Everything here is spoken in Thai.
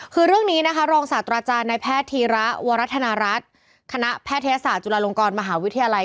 คือเรื่องนี้นะคะรองศาสตราจารย์ในแพทย์ธีระวรัฐนารัฐคณะแพทยศาสตร์จุฬาลงกรมหาวิทยาลัย